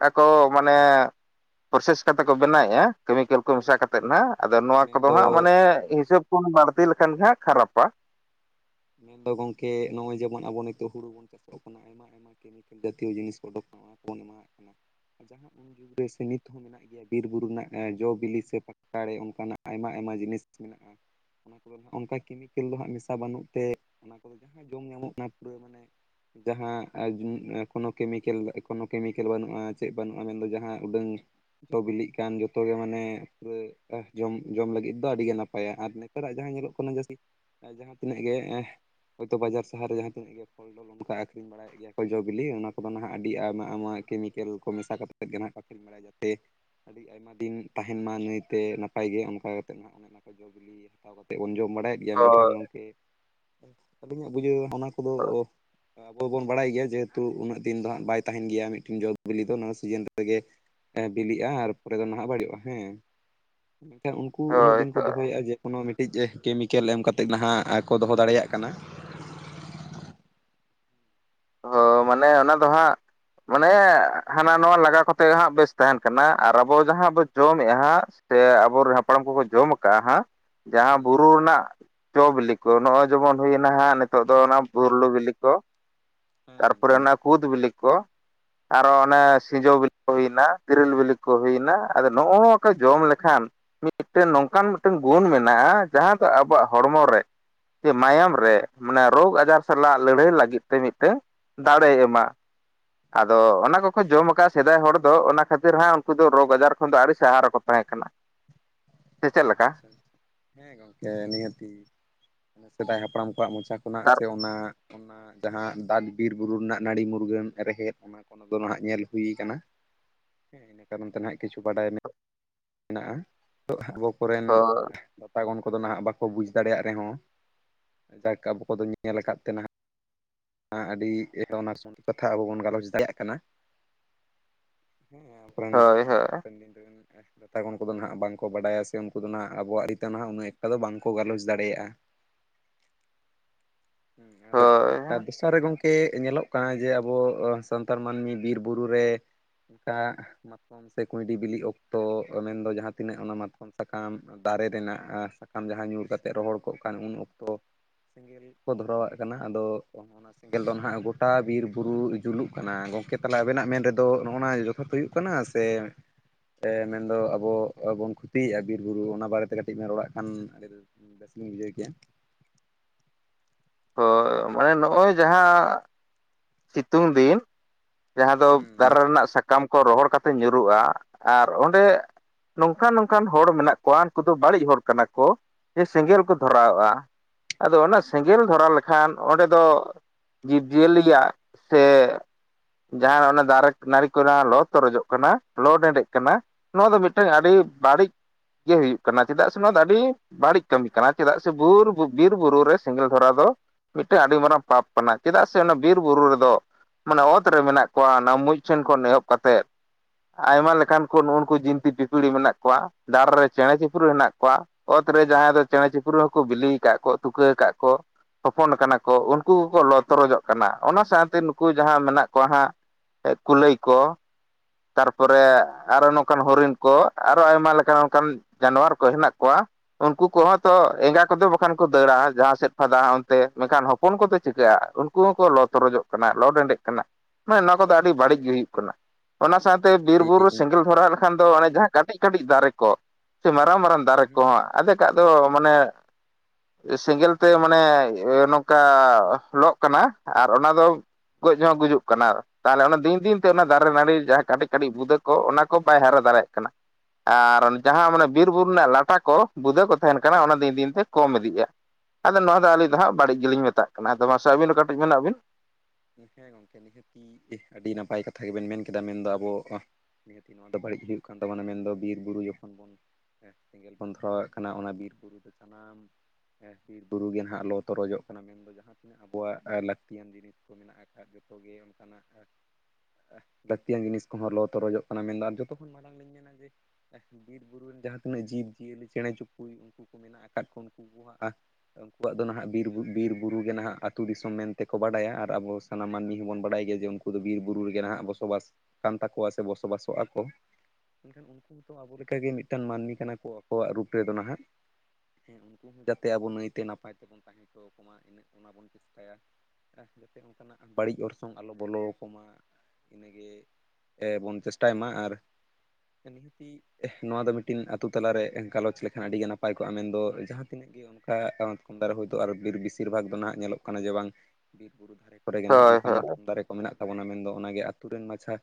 ᱟᱠᱚ ᱢᱟᱱᱮ ᱯᱨᱚᱥᱮᱥ ᱠᱟᱛᱮ ᱠᱚ ᱵᱮᱱᱟᱣᱮᱫᱼᱟ ᱠᱮᱢᱤᱠᱮᱞ ᱠᱚ ᱦᱮᱸ ᱢᱮᱥᱟ ᱠᱟᱛᱮᱫ ᱜᱚᱝᱠᱮ ᱦᱟᱸᱜ ᱟᱫᱚ ᱱᱚᱶᱟ ᱠᱚᱫᱚ ᱢᱮᱱᱫᱚ ᱦᱟᱸᱜ ᱢᱟᱱᱮ ᱦᱤᱥᱟᱹᱵ ᱠᱷᱚᱱ ᱵᱟᱹᱲᱛᱤ ᱞᱮᱠᱷᱟᱱ ᱜᱤᱱᱦᱟᱜ ᱠᱷᱟᱨᱟᱯᱟ ᱢᱮᱱᱫᱚ ᱜᱚᱝᱠᱮ ᱱᱚᱜᱼᱚᱭ ᱡᱮᱢᱚᱱ ᱟᱵᱚ ᱱᱤᱛᱚᱜ ᱦᱩᱲᱩ ᱵᱚᱱ ᱪᱟᱥᱚᱜ ᱠᱟᱱᱟ ᱟᱭᱢᱟ ᱟᱭᱢᱟ ᱚᱱᱟ ᱠᱮᱢᱤᱠᱟᱞ ᱵᱟᱹᱛᱤᱞ ᱡᱤᱱᱤᱥ ᱠᱚᱫᱚ ᱱᱚᱣᱟ ᱠᱚᱵᱚᱱ ᱮᱢᱟᱜ ᱠᱟᱱᱟ ᱡᱟᱸᱦᱟ ᱩᱱ ᱡᱩᱜᱽ ᱨᱮ ᱥᱮ ᱱᱤᱛ ᱦᱚᱸ ᱢᱮᱱᱟᱜ ᱢᱮᱱᱟᱜ ᱜᱮᱭᱟ ᱵᱤᱨ ᱵᱩᱨᱩ ᱨᱮᱱᱟᱜ ᱡᱚ‌ ᱵᱤᱞᱤ ᱥᱮ ᱯᱟᱠᱟᱲᱮ ᱚᱱᱠᱟᱱᱟᱜ ᱟᱭᱢᱟ ᱟᱭᱢᱟ ᱡᱤᱱᱤᱥ ᱢᱮᱱᱟᱜᱼᱟ ᱚᱱᱟ ᱠᱚᱫᱚ ᱦᱟᱸᱜ ᱚᱱᱠᱟ ᱠᱮᱢᱤᱠᱮᱞ ᱫᱚ ᱦᱟᱸᱜ ᱢᱮᱥᱟ ᱵᱟᱹᱱᱩᱜ ᱛᱮ ᱚᱱᱟ ᱠᱚᱫᱚ ᱡᱟᱦᱟᱸ ᱡᱚᱢ ᱧᱟᱢᱚᱜ ᱠᱟᱱᱟ ᱯᱩᱨᱟᱹ ᱢᱟᱱᱮ ᱡᱟᱦᱟᱸ ᱟᱧᱡᱚᱢ ᱮᱠᱚᱦᱚᱱᱚ ᱠᱮᱢᱤᱠᱮᱞ ᱮᱠᱚᱦᱚᱱᱚ ᱠᱮᱢᱤᱠᱮᱞ ᱵᱟᱹᱱᱩᱜᱼᱟ ᱪᱮᱫ ᱵᱟᱹᱱᱩᱜᱼᱟ ᱢᱮᱱᱫᱚ ᱡᱟᱦᱟᱸ ᱩᱰᱟᱹᱝ ᱡᱚ ᱵᱤᱞᱤᱜ ᱠᱟᱱ ᱡᱚᱛᱚ ᱜᱮ ᱢᱟᱱᱮ ᱯᱩᱨᱟᱹ ᱡᱚᱢ ᱡᱚᱢ ᱞᱟᱹᱜᱤᱫ ᱫᱚ ᱟᱹᱰᱤᱜᱮ ᱱᱟᱯᱟᱭᱟ ᱟᱨ ᱱ ᱱᱮᱛᱟᱨ ᱟᱜ ᱡᱟᱦᱟᱸ ᱧᱮᱞᱚᱜ ᱠᱟᱱᱟ ᱡᱟᱥᱛᱤ ᱜᱮ ᱟᱨ ᱡᱟᱦᱟᱸ ᱛᱤᱱᱟᱹᱜ ᱜᱮ ᱮᱸ ᱦᱚᱭᱛᱳ ᱵᱟᱡᱟᱨ ᱥᱟᱦᱟᱨ ᱨᱮ ᱡᱟᱦᱟᱸ ᱛᱤᱱᱟᱹᱜ ᱜᱮ ᱞᱚ ᱞᱚᱝᱠᱟ ᱟᱹᱠᱷᱨᱤᱧ ᱵᱟᱲᱟᱭᱼᱟ ᱢᱮᱛᱟᱜ ᱜᱮᱭᱟ ᱠᱚ ᱡᱚ ᱵᱤᱞᱤ ᱚᱱᱟ ᱠᱚᱫᱚ ᱱᱟᱦᱟᱜ ᱟᱹᱰᱤ ᱟᱭᱢᱟ ᱟᱭᱢᱟ ᱠᱮᱢᱤᱠᱮᱞ ᱠᱚ ᱢᱮᱥᱟ ᱠᱟᱛᱮᱜ ᱜᱮ ᱱᱟᱦᱟᱜ ᱠᱚ ᱠᱷᱮᱞ ᱡᱟᱛᱮ ᱟᱹᱰᱤ ᱟᱭᱢᱟ ᱫᱤᱱ ᱛᱟᱦᱮᱱ ᱢᱟ ᱱᱟᱹᱭᱛᱮ ᱱᱟᱯᱟᱭ ᱜᱮ ᱚᱱᱠᱟ ᱠᱟᱛᱮ ᱱᱟᱦᱟᱜ ᱚᱱᱮ ᱚᱱᱟ ᱠᱚ ᱡᱚᱢ ᱡᱚ ᱵᱤᱞᱤ ᱦᱟᱛᱟᱣᱛᱮᱫ ᱵᱚᱱ ᱡᱚᱢ ᱵᱟᱲᱟᱭᱮᱫ ᱜᱮᱭᱟ ᱢᱮᱱᱠᱷᱟᱱ ᱦᱳᱭ ᱜᱚᱝᱠᱮ ᱟᱹᱞᱤᱧᱟᱜ ᱵᱩᱡᱷᱟᱹᱣ ᱚᱱᱟ ᱠᱚᱫᱚ ᱟᱵᱚ ᱵᱚᱱ ᱵᱟᱲᱟᱭ ᱜᱮᱭᱟ ᱡᱮᱦᱮᱛᱩ ᱩᱱᱟᱹᱜ ᱫᱤᱱ ᱫᱚ ᱦᱟᱸᱜ ᱵᱟᱭ ᱛᱟᱦᱮᱱ ᱜᱮᱭᱟ ᱢᱤᱫ ᱴᱤᱱ ᱡᱚ ᱵᱤᱞᱤ ᱫᱚ ᱱᱚᱶᱟ ᱥᱤᱡᱤᱱ ᱨᱮᱜᱮ ᱵᱤᱞᱤᱜᱼᱟ ᱟᱨ ᱯᱚᱨᱮ ᱫᱚ ᱱᱟᱦᱟᱜ ᱵᱟᱹᱲᱤᱡᱚᱜᱼᱟ ᱦᱮᱸ ᱢᱮᱱᱠᱷᱟᱱ ᱩᱱᱠᱩ ᱩᱱᱟᱹᱜ ᱦᱳᱭ ᱫᱤᱱ ᱠᱚ ᱦᱳᱭ ᱫᱚᱦᱚᱭᱮᱜ-ᱟ ᱡᱮ ᱠᱳᱱᱳ ᱢᱤᱫ ᱴᱤᱡ ᱠᱮᱢᱤᱠᱮᱞ ᱮᱢ ᱠᱟᱛᱮᱫ ᱱᱟᱦᱟᱜ ᱠᱚ ᱫᱚᱦᱚ ᱫᱟᱲᱮᱭᱟᱜ ᱠᱟᱱᱟ ᱦᱮᱸ ᱢᱟᱱᱮ ᱚᱱᱟ ᱫᱚ ᱦᱟᱸᱜ ᱢᱟᱱᱮ ᱦᱟᱱᱟ ᱱᱷᱟᱶᱟ ᱞᱟᱜᱟ ᱠᱚᱛᱮ ᱜᱮ ᱦᱟᱸᱜ ᱵᱮᱥ ᱛᱟᱦᱮᱱ ᱠᱟᱱᱟ ᱟᱨ ᱟᱵᱚ ᱡᱟᱦᱟᱸ ᱵᱚᱱ ᱡᱚᱢᱮᱫᱼᱟ ᱦᱟᱸᱜ ᱥᱮ ᱟᱵᱚᱨᱮᱱ ᱦᱟᱯᱲᱟᱢ ᱠᱚᱠᱚ ᱡᱚᱢ ᱠᱟᱜᱼᱟ ᱦᱟᱸᱜ ᱡᱟᱦᱟᱸ ᱦᱮᱸ ᱵᱩᱨᱩ ᱨᱮᱱᱟᱜ ᱡᱚ ᱵᱤᱞᱤ ᱠᱚ ᱱᱚᱜᱼᱚᱭ ᱡᱮᱢᱚᱱ ᱦᱩᱭᱮᱱᱟ ᱱᱦᱸᱜ ᱱᱤᱛᱚᱜ ᱫᱚ ᱚᱱᱟ ᱵᱩᱨᱞᱩ ᱵᱤᱞᱤ ᱠᱚ ᱦᱮᱸ ᱛᱟᱨᱯᱚᱨᱮ ᱜᱚᱝᱠᱮ ᱚᱱᱟ ᱠᱩᱫ ᱵᱤᱞᱤ ᱠᱚ ᱟᱨᱚ ᱚᱱᱮ ᱦᱩᱸ ᱥᱤᱸᱡᱚ ᱵᱤᱞᱤ ᱠᱚ ᱦᱩᱭᱱᱟ ᱛᱮᱨᱮᱞ ᱵᱤᱞᱤ ᱠᱚ ᱦᱩᱭᱮᱱᱟ ᱟᱫᱚ ᱱᱚᱜᱼᱚ ᱱᱚᱣᱟ ᱠᱚ ᱡᱚᱢ ᱞᱮᱠᱷᱟᱱ ᱢᱤᱫ ᱴᱮᱱ ᱱᱚᱝᱠᱟᱱ ᱢᱤᱫ ᱴᱮᱱ ᱜᱩᱱ ᱢᱮᱱᱟᱜᱼᱟ ᱡᱟᱦᱟᱸ ᱫᱚ ᱟᱵᱚᱣᱟᱜ ᱦᱚᱲᱢᱚ ᱨᱮ ᱡᱮ ᱢᱟᱭᱟᱢ ᱨᱮ ᱢᱟᱱᱮ ᱨᱳᱜᱽ ᱟᱡᱟᱨ ᱥᱟᱞᱟᱜ ᱞᱟᱹᱲᱦᱟᱹᱭ ᱞᱟᱹᱜᱤᱫ ᱛᱮ ᱢᱤᱫ ᱴᱮᱱ ᱫᱟᱲᱮᱭ ᱮᱢᱟ ᱟᱫᱚ ᱚᱱᱟ ᱠᱚᱠᱚ ᱡᱚᱢ ᱟᱠᱟᱫᱼᱟ ᱥᱮᱫᱟᱭ ᱦᱚᱲ ᱫᱚ ᱚᱱᱟ ᱠᱷᱟᱹᱛᱤᱨ ᱦᱟᱸᱜ ᱩᱱᱠᱩ ᱫᱚ ᱨᱳᱜᱽ ᱟᱡᱟᱨ ᱠᱷᱚᱱ ᱫᱚ ᱟᱹᱰᱤ ᱥᱟᱦᱟ ᱨᱮᱠᱚ ᱛᱟᱦᱮᱸ ᱠᱟᱱᱟ [inaudible] ᱥᱮ ᱪᱮᱫ ᱞᱮᱠᱟ ᱟᱪᱷᱟ ᱟᱷᱟ ᱦᱮᱸ ᱜᱚᱝᱠᱮ ᱱᱤᱦᱟᱹᱛᱤ ᱥᱮᱫᱟᱭ ᱦᱟᱯᱲᱟᱢ ᱠᱚ ᱟᱠᱚᱣᱟᱜ ᱢᱚᱪᱟ ᱠᱷᱚᱱᱟᱜ ᱛᱟᱨ ᱥᱮ ᱚᱱᱟ ᱚᱱᱟ ᱡᱟᱦᱟᱸ ᱫᱟᱜ ᱵᱤᱨ ᱵᱩᱨᱩ ᱨᱮᱱᱟᱜ ᱱᱟᱹᱲᱤ ᱢᱩᱨᱜᱟᱹᱱ ᱨᱮᱦᱮᱫ ᱚᱱᱟ ᱠᱱ ᱫᱚ ᱱᱟᱦ ᱧᱮᱞ ᱦᱩᱭ ᱠᱟᱱᱟ ᱦᱮᱸ ᱤᱱᱟᱹ ᱠᱟᱨᱚᱱ ᱛᱮ ᱠᱤᱪᱷᱩ ᱵᱟᱰᱟᱭ ᱢᱮ ᱢᱮᱱᱟᱜᱼᱟ ᱛᱚ ᱟᱵᱚ ᱠᱚᱨᱮᱱ ᱦᱳᱭ ᱵᱟᱛᱟᱜᱚᱱ ᱠᱚᱫᱚ ᱱᱟᱦᱟᱜ ᱵᱟᱠᱚ ᱵᱩᱡᱽ ᱫᱟᱲᱮᱭᱟᱜ ᱨᱮᱦᱚᱸ ᱡᱟᱠ ᱟᱵᱚ ᱠᱚᱫᱚ ᱧᱮᱞ ᱟᱠᱟᱫ ᱛᱮᱱᱦᱟᱜ ᱟᱹᱰᱤ ᱠᱟᱛᱷᱟ ᱟᱵᱚ ᱵᱚᱱ ᱜᱟᱞᱚᱪ ᱫᱟᱲᱮᱭᱟᱜ ᱠᱟᱱᱟ ᱦᱮᱸ ᱟᱵᱚ ᱨᱮᱱ ᱦᱳᱭ ᱦᱳᱭ ᱦᱟᱯᱮᱱ ᱫᱤᱱ ᱨᱮᱱ ᱫᱟᱛᱟ ᱜᱚᱱ ᱠᱚᱫᱚ ᱱᱟᱦᱟᱜ ᱵᱟᱝᱠᱚ ᱵᱟᱰᱟᱭᱟ ᱥᱮ ᱩᱱᱠᱩ ᱫᱚ ᱱᱟᱦᱟᱜ ᱟᱵᱚᱣᱟᱜ ᱨᱤᱛᱟᱹ ᱱᱟᱦᱟᱜ ᱩᱱᱟᱹ ᱮᱠᱴᱟ ᱫᱚ ᱵᱟᱝᱠᱚ ᱜᱟᱞᱚᱪ ᱫᱟᱲᱮᱭᱟᱜᱼᱟ ᱦᱳᱭ ᱟᱨ ᱫᱤᱥᱚ ᱨᱮ ᱜᱚᱝᱠᱮ ᱮ ᱧᱮᱞᱚᱜ ᱠᱟᱱᱟ ᱡᱮ ᱟᱵᱚ ᱥᱟᱱᱛᱟᱲ ᱢᱟᱹᱱᱢᱤ ᱵᱤᱨ ᱵᱩᱨᱩ ᱨᱮ ᱚᱱᱠᱟ ᱠᱚᱢ ᱥᱮ ᱠᱩᱸᱩᱭᱴᱤ ᱵᱤᱞᱤ ᱚᱠᱛᱚ ᱢᱮᱱᱫᱚ ᱡᱟᱦᱟᱸ ᱛᱤᱱᱟᱹᱜ ᱚᱱᱟ ᱢᱟᱛᱠᱚᱢ ᱥᱟᱠᱟᱢ ᱫᱟᱨᱮ ᱨᱮᱱᱟᱜ ᱥᱟᱠᱟᱢ ᱡᱟᱦᱟᱸ ᱧᱩᱨ ᱠᱟᱛᱮᱜ ᱨᱚᱦᱚᱲ ᱠᱚᱜ ᱠᱟᱱ ᱩᱱ ᱚᱠᱛᱚ ᱥᱮᱸᱜᱮᱞ ᱠᱚ ᱫᱷᱚᱨᱟᱣᱟᱜ ᱠᱟᱱᱟ ᱟᱫᱚ ᱚᱱᱟ ᱥᱮᱸᱜᱮᱞ ᱫᱚ ᱱᱟᱦᱟᱜ ᱜᱚᱴᱟ ᱵᱤᱨ ᱵᱩᱨᱩ ᱡᱩᱞᱩᱜ ᱠᱟᱱᱟ ᱜᱚᱝᱠᱮ ᱛᱟᱦᱚᱞᱮ ᱟᱵᱮᱱᱟᱜ ᱢᱮᱱ ᱨᱮᱫᱚ ᱱᱚᱜᱼᱚᱱᱟ ᱦᱩᱭᱩᱜ ᱠᱟᱱᱟ ᱥᱮ ᱥᱮ ᱢᱮᱱᱫᱚ ᱟᱵᱚ ᱵᱚᱱ ᱠᱷᱚᱛᱤᱭᱮᱫᱼᱟ ᱵᱤᱨ ᱵᱩᱨᱩ ᱚᱱᱟ ᱵᱟᱨᱮᱛᱮ ᱠᱟᱹᱴᱤᱡ ᱵᱮ ᱨᱚᱲᱟᱜ ᱠᱷᱟᱱ ᱟᱹᱰᱤ ᱵᱮᱥᱤᱧ ᱵᱩᱡᱷᱟᱹᱣ ᱠᱮᱭᱟ ᱛᱚ ᱢᱟᱱᱮ ᱱᱚᱜᱼᱚᱭ ᱡᱟᱦᱟᱸ ᱥᱤᱛᱩᱝ ᱫᱤᱱ ᱡᱟᱦᱟᱸ ᱫᱚ ᱦᱩᱸ ᱫᱟᱨᱮ ᱨᱮᱱᱟᱜ ᱥᱟᱠ ᱥᱟᱠᱟᱢ ᱠᱚ ᱨᱚᱦᱚᱲ ᱠᱟᱛᱮ ᱧᱩᱨᱩᱜᱼᱟ ᱟᱨ ᱚᱸᱰᱮ ᱱᱚᱝᱠᱟᱱ ᱱᱚᱝᱠᱟᱱ ᱦᱚᱲ ᱢᱮᱱᱟᱜ ᱠᱚᱣᱟ ᱩᱱᱠᱩ ᱫᱚ ᱵᱟᱹᱲᱤᱡ ᱦᱚᱲ ᱠᱟᱱᱟ ᱠᱚ ᱡᱮ ᱥᱮᱸᱜᱮᱞ ᱠᱚ ᱫᱷᱚᱨᱟᱣᱼᱟ ᱟᱫᱚ ᱚᱱᱟ ᱥᱮᱸᱜᱮᱞ ᱫᱷᱚᱨᱟᱣ ᱞᱮᱠᱷᱟᱱ ᱚᱸᱰᱮ ᱫᱚ ᱡᱤᱵᱽᱡᱤᱭᱟᱹᱞᱤᱭᱟᱜ ᱥᱮ ᱡᱟᱦᱱᱟᱜ ᱚᱱᱟ ᱫᱟᱨᱮ ᱱᱟᱹᱲᱤ ᱠᱚᱨᱮᱱᱟᱜ ᱞᱚ ᱛᱚᱨᱚᱡᱚᱜ ᱠᱟᱱᱟ ᱞᱚ ᱰᱮᱸᱰᱮᱜ ᱠᱟᱱᱟ ᱱᱚᱣᱟ ᱫᱚ ᱢᱤᱫᱴᱮᱱ ᱟᱹᱰᱤ ᱵᱟᱹᱲᱤᱡ ᱜᱮ ᱦᱩᱭᱩᱜ ᱠᱟᱱᱟ ᱪᱮᱫᱟᱜ ᱥᱮ ᱱᱚᱣᱟ ᱫᱚ ᱟᱹᱰᱤ ᱵᱟᱹᱲᱤᱡ ᱠᱟᱹᱢᱤ ᱠᱟᱱᱟ ᱪᱮᱫᱟᱜ ᱥᱮ ᱵᱩᱨ ᱵᱩᱨᱩ ᱨᱮ ᱥᱮᱸᱜᱮᱞ ᱫᱷᱚᱨᱟ ᱫᱚ ᱢᱤᱫᱴᱮᱱ ᱟᱹᱰᱤ ᱢᱟᱨᱟᱝ ᱯᱟᱯ ᱠᱟᱱᱟ ᱪᱮᱫᱟᱜ ᱥᱮ ᱚᱱᱟ ᱵᱤᱨ ᱵᱤᱨ ᱵᱩᱨᱩ ᱨᱮᱫᱚ ᱢᱟᱱᱮ ᱚᱛ ᱨᱮ ᱢᱮᱱᱟᱜ ᱠᱚᱣᱟ ᱚᱱᱟ ᱢᱩᱡ ᱴᱷᱮᱱ ᱠᱷᱚᱱ ᱮᱮᱦᱚᱵ ᱠᱟᱛᱮᱮᱫ ᱟᱭᱢᱟ ᱞᱮᱠᱟᱱ ᱠᱚ ᱱᱩᱜᱼᱩ ᱱᱠᱩ ᱡᱤᱱᱛᱤ ᱯᱤᱯᱤᱲᱤ ᱢᱮᱱᱟᱜ ᱠᱚᱣᱟ ᱫᱟᱨ ᱨᱮ ᱪᱮᱬᱮ ᱪᱤᱯᱨᱩ ᱦᱮᱱᱟᱜ ᱠᱚᱣᱟ ᱚᱛ ᱨᱮ ᱡᱟᱦᱟᱸᱭ ᱫᱚ ᱪᱮᱬᱮ ᱪᱤᱯᱨᱩ ᱦᱚᱸᱠᱚ ᱵᱤᱞᱤᱭ ᱟᱠᱟᱫ ᱠᱚ ᱛᱩᱠᱟᱹ ᱟᱠᱟᱫ ᱠᱚ ᱦᱚᱯᱚᱱ ᱠᱟᱱᱟ ᱠᱚ ᱩᱱᱠᱩ ᱠᱚ-ᱠᱚ ᱞᱚ ᱛᱚᱨᱚᱡᱚᱜ ᱠᱟᱱᱟ ᱚᱱᱟ ᱥᱟᱶᱛᱮ ᱱᱩᱠᱩ ᱡᱟᱦᱟᱸ ᱢᱮᱱᱟᱜ ᱠᱚᱣᱟ ᱦᱟᱸᱜ ᱠᱩᱞᱟᱹᱭ ᱠᱚ ᱛᱟᱨᱯᱚᱨᱮ ᱦᱩᱸ ᱟᱨᱚ ᱱᱚᱝᱠᱟᱱ ᱦᱚᱨᱤᱱ ᱠᱚ ᱟᱨᱚ ᱟᱭᱢᱟ ᱞᱮᱠᱟᱱ ᱚᱱᱠᱟᱱ ᱡᱟᱱᱣᱟᱨ ᱠᱚ ᱦᱮᱱᱟᱜ ᱠᱚᱣᱟ ᱩᱱᱠᱩ ᱠᱚᱦᱚᱸ ᱛᱚ ᱮᱸᱜᱟ ᱠᱚᱫᱚ ᱵᱟᱠᱷᱟᱱ ᱠᱚ ᱫᱟᱹᱲᱟ ᱡᱟᱦᱟᱸ ᱥᱮᱫ ᱯᱷᱟᱫᱼᱟ ᱚᱱᱛᱮ ᱢᱮᱱᱠᱷᱟᱱ ᱦᱚᱯᱚᱱ ᱠᱚᱫᱚ ᱪᱤᱠᱟᱹᱭᱟ ᱩᱱᱠᱩ ᱠᱩ ᱦᱚᱸᱠᱚ ᱞᱚ ᱛᱚᱨᱚᱡᱚᱜ ᱠᱟᱱᱟ ᱞᱚ ᱰᱮᱸᱰᱮᱸᱜ ᱠᱟᱱᱟ ᱢᱟᱱᱮ ᱱᱚᱣᱟ ᱠᱚᱫᱚ ᱟᱹᱰᱤ ᱵᱟᱹᱲᱤᱡ ᱦᱮᱸ ᱜᱮ ᱦᱩᱭᱩᱜ ᱜᱚᱝᱠᱮ ᱠᱟᱱᱟ ᱚᱱᱟ ᱥᱟᱶᱛᱮ ᱵᱤᱨ ᱟᱹᱰᱤ ᱵᱩᱨᱩ ᱦᱩᱸ ᱥᱮᱸᱜᱮᱞ ᱫᱷᱚᱨᱟᱣ ᱞᱮᱠᱷᱟᱱ ᱫᱚ ᱚᱱᱮ ᱡᱟᱦᱟᱸ ᱠᱟᱹᱴᱤᱡ ᱠᱟᱹᱴᱤᱡ ᱫᱟᱨᱮ ᱠᱚ ᱥᱮ ᱢᱟᱨᱟᱝ ᱢᱟᱨᱟᱝ ᱫᱟᱨᱮ ᱠᱚᱦᱚᱸ ᱟᱫᱷᱮᱠᱟᱜ ᱫᱚ ᱢᱟᱱᱮ ᱥᱮᱸᱜᱮᱞ ᱛᱮ ᱢᱟᱱᱮ ᱱᱚᱝᱠᱟ ᱞᱚᱜ ᱠᱟᱱᱟ ᱟᱨ ᱚᱱᱟ ᱫᱚ ᱜᱚᱡ ᱦᱚᱸ ᱜᱩᱡᱩᱜ ᱠᱟᱱᱟ ᱛᱟᱦᱚᱞᱮ ᱚᱱᱟ ᱫᱤᱱ ᱫᱤᱱ ᱛᱮ ᱚᱱᱟ ᱫᱟᱨᱮ ᱱᱟᱹᱲᱤ ᱡᱟᱦᱟᱸ ᱠᱟᱹᱴᱤᱡ ᱠᱟᱹᱴᱤᱡ ᱵᱩᱫᱟᱹ ᱠᱚ ᱚᱱᱟ ᱠᱚ ᱵᱟᱭ ᱦᱟᱨᱟ ᱫᱟᱲᱮᱭᱟᱜ ᱠᱟᱱᱟ ᱟᱨ ᱡᱟᱦᱟᱸ ᱢᱟᱱᱮ ᱵᱤᱨ ᱵᱩᱨᱩ ᱨᱮᱱᱟᱜ ᱞᱟᱴᱟ ᱠᱚ ᱵᱩᱫᱟᱹ ᱠᱚ ᱛᱟᱦᱮᱱ ᱠᱟᱱᱟ ᱚᱱᱟ ᱫᱤᱱ ᱫᱤᱱ ᱛᱮ ᱠᱚᱢ ᱤᱫᱤᱜᱼᱟ ᱟᱫᱚ ᱱᱚᱣᱟ ᱫᱚ ᱟᱹᱞᱤᱧ ᱫᱚ ᱦᱟᱸᱜ ᱵᱟᱹᱲᱤᱡ ᱜᱮᱞᱤᱧ ᱢᱮᱛᱟᱜ ᱠᱟᱱᱟ ᱟᱫᱚ ᱢᱟᱥᱮ ᱟᱹᱵᱤᱱ ᱦᱚ ᱠᱟᱹᱴᱤᱡ ᱢᱮᱱᱟᱜ ᱵᱤᱱ ᱦᱮᱸ ᱜᱚᱢᱠᱮ ᱱᱤᱦᱟᱹᱛᱤ ᱟᱹᱰᱤ ᱱᱟᱯᱟᱭ ᱠᱟᱛᱷᱟ ᱜᱮᱵᱮᱱ ᱢᱮᱱ ᱠᱮᱫᱟ ᱢᱮᱱᱫᱚ ᱟᱵᱚ ᱱᱤᱦᱟᱹᱛ ᱱᱚᱣᱟ ᱫᱚ ᱵᱟᱹᱲᱤᱡ ᱦᱩᱭᱩᱜ ᱠᱟᱱ ᱛᱟᱵᱚᱱᱟ ᱢᱮᱱᱫᱚ ᱵᱤᱨ ᱵᱩᱨᱩ ᱡᱚᱠᱷᱚᱱ ᱵᱚᱱ ᱦᱮᱸ ᱥᱮᱸᱜᱮᱞ ᱵᱚᱱ ᱫᱷᱚᱨᱟᱣᱟᱜ ᱠᱟᱱᱟ ᱚᱱᱟ ᱵᱤᱨ ᱵᱩᱨᱩ ᱫᱚ ᱥᱟᱱᱟᱢ ᱵᱤᱨᱼᱵᱩᱨᱩ ᱜᱮ ᱱᱟᱦᱟᱜ ᱞᱚ ᱛᱚᱨᱚᱡᱚᱜ ᱠᱟᱱᱟ ᱢᱮᱱᱫᱚ ᱡᱟᱦᱟᱸ ᱛᱤᱱᱟᱹᱜ ᱟᱵᱚᱣᱟᱜ ᱞᱟᱹᱠᱛᱤᱭᱟᱱ ᱡᱤᱱᱤᱥ ᱠᱚ ᱢᱮᱱᱟᱜ ᱟᱠᱟᱫ ᱡᱚᱛᱚ ᱜᱮ ᱚᱱᱠᱟᱱᱟᱜ ᱞᱟᱹᱠᱛᱤᱭᱟᱱ ᱡᱤᱱᱤᱥ ᱠᱚᱦᱚᱸ ᱞᱚ ᱛᱚᱨᱚᱡᱚᱜ ᱠᱟᱱᱟ ᱢᱮᱱᱫᱚ ᱡᱚᱛᱚ ᱠᱷᱚᱱ ᱢᱟᱲᱟᱝ ᱞᱤᱧ ᱢᱮᱱᱟ ᱡᱮ ᱵᱤᱨᱼᱵᱩᱨᱩ ᱨᱮᱱ ᱡᱟᱦᱟᱸ ᱛᱤᱱᱟᱹᱜ ᱡᱤᱵᱽᱡᱤᱭᱟᱹᱞᱤ ᱪᱮᱬᱮ ᱪᱩᱯᱲᱩ ᱩᱱᱠᱩ ᱠᱚ ᱢᱮᱱᱟᱜ ᱟᱠᱟᱫ ᱠᱚᱣᱟ ᱩᱱᱠᱩ ᱜᱚᱦᱟᱜᱼᱟ ᱩᱱᱠᱩᱣᱟᱜ ᱫᱚ ᱱᱟᱦᱟᱜ ᱵᱤᱨ ᱵᱩᱨᱩ ᱵᱤᱨ ᱵᱩᱨᱩ ᱜᱮ ᱱᱟᱦᱟᱜ ᱟᱹᱛᱩ ᱫᱤᱥᱚᱢ ᱢᱮᱱᱛᱮᱠᱚ ᱵᱟᱰᱟᱭᱟ ᱟᱨ ᱟᱵᱚ ᱥᱟᱱᱟᱢ ᱢᱟᱹᱱᱢᱤ ᱦᱚᱸᱵᱚᱱ ᱵᱟᱰᱟᱭ ᱜᱮᱭᱟ ᱡᱮ ᱩᱱᱠᱩ ᱫᱚ ᱵᱤᱨ ᱵᱩᱨᱩ ᱨᱮᱜᱮ ᱱᱟᱦᱟᱜ ᱵᱚᱥᱚᱵᱟᱥ ᱠᱟᱱ ᱛᱟᱠᱚᱣᱟ ᱥᱮ ᱵᱚᱥᱚᱵᱟᱥᱚᱜᱼᱟ ᱠᱚ ᱩᱱᱠᱩ ᱦᱚᱸᱛᱚ ᱟᱵᱚ ᱞᱮᱠᱟᱜᱮ ᱢᱤᱫᱴᱟᱝ ᱢᱟᱹᱱᱢᱤ ᱠᱟᱱᱟ ᱠᱚ ᱟᱠᱚᱣᱟᱜ ᱨᱩᱯ ᱨᱮᱫᱚ ᱱᱟᱦᱟᱜ ᱦᱮᱸ ᱩᱱᱠᱩ ᱦᱚᱸ ᱡᱟᱛᱮ ᱟᱵᱚ ᱱᱟᱹᱭᱛᱮ ᱱᱟᱯᱟᱭ ᱛᱮᱵᱚᱱ ᱛᱟᱦᱮᱸ ᱦᱚᱪᱚ ᱠᱚ ᱢᱟ ᱤᱱᱟᱹᱜ ᱚᱱᱟ ᱵᱚᱱ ᱪᱮᱥᱴᱟᱭᱟ ᱡᱟᱛᱮ ᱚᱱᱠᱟᱱᱟᱜ ᱵᱟᱹᱲᱤᱡ ᱚᱨᱥᱚᱝ ᱟᱞᱚ ᱵᱚᱞᱚ ᱣᱟᱠᱚ ᱢᱟ ᱤᱱᱟ ᱦᱮᱜᱮ ᱮ ᱵᱚᱱ ᱪᱮᱥᱴᱟᱭ ᱢᱟ ᱟᱨ [inaudible] ᱱᱚᱣᱟ ᱫᱚ ᱢᱤᱫᱴᱤᱱ ᱟᱛᱳ ᱛᱟᱞᱟᱨᱮ ᱜᱟᱞᱚᱪ ᱞᱮᱠᱷᱟᱱ ᱟᱹᱰᱤᱜᱮ ᱱᱟᱯᱟᱭ ᱠᱚᱜᱼᱟ ᱢᱮᱱᱫᱚ ᱡᱟᱦᱟᱸ ᱛᱤᱱᱟᱹᱜ ᱜᱮ ᱚᱱᱠᱟ ᱢᱟᱛᱠᱢ ᱫᱟᱨᱮ ᱦᱚᱭ ᱫᱚ ᱟᱨ ᱵᱤᱨ ᱵᱮᱥᱤᱨ ᱵᱷᱟᱜᱽ ᱫᱚ ᱱᱟᱦᱟᱜ ᱧᱮᱞᱚᱜ ᱠᱟᱱᱟ ᱡᱮ ᱵᱟᱝ ᱵᱤᱨ ᱵᱩᱨᱩ ᱫᱷᱟᱨᱮ ᱠᱚᱨᱮᱜᱮ ᱱᱟᱦᱟᱜ ᱦᱳᱭ ᱚᱱᱠᱟ ᱦᱳᱭ ᱢᱟᱛᱠᱚᱢ ᱫᱟᱨᱮ ᱠᱚ ᱢᱮᱱᱟᱜ ᱛᱟᱵᱚᱱᱟ ᱢᱮᱱᱫᱚ ᱚᱱᱟᱜᱮ ᱟᱛᱩᱨ ᱨᱮᱱ ᱢᱟᱪᱷᱟ